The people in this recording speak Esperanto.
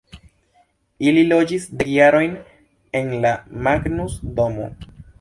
Li loĝis dek jarojn en la Magnus-Domo.